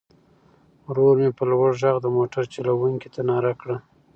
ورور مې په لوړ غږ د موټر چلوونکي ته ناره کړه.